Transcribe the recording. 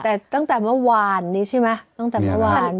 แต่ตั้งแต่เมื่อวานนี้ใช่ไหมตั้งแต่เมื่อวาน